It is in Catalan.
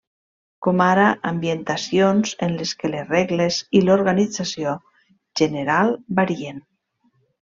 Com ara ambientacions, en les que les regles i l'organització general varien.